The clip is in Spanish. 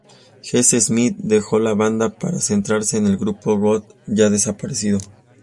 Jesse Smith dejó la banda para centrarse en el grupo Gods ya desaparecido.